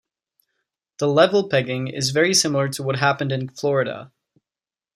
The level pegging is very similar to what happened in Florida.